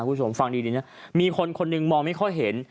คุณผู้ชมฟังดีนะมีคนคนหนึ่งมองไม่ค่อยเห็น